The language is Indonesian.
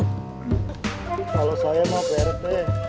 kalau saya mah pak rt